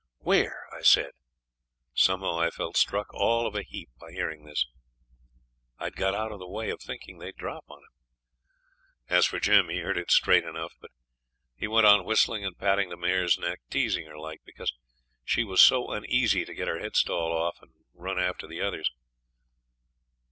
'Where?' I said. Somehow I felt struck all of a heap by hearing this. I'd got out of the way of thinking they'd drop on him. As for Jim, he heard it straight enough, but he went on whistling and patting the mare's neck, teasing her like, because she was so uneasy to get her head stall off and run after the others.